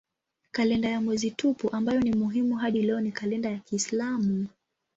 Kalenda ya mwezi tupu ambayo ni muhimu hadi leo ni kalenda ya kiislamu.